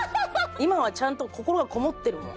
今はちゃんと心が込もってるもん。